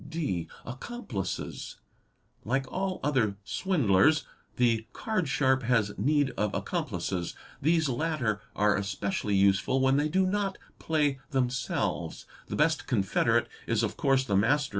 (d) Accomplices. Like all other swindlers the card sharp has need of accomplices; these latter are especially useful when they do not play themselves ; the best confederate is of course the master.